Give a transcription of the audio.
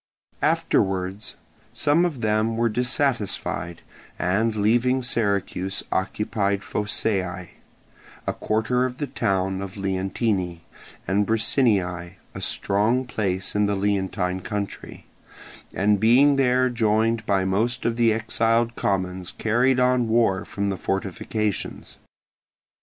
Afterwards some of them were dissatisfied, and leaving Syracuse occupied Phocaeae, a quarter of the town of Leontini, and Bricinniae, a strong place in the Leontine country, and being there joined by most of the exiled commons carried on war from the fortifications.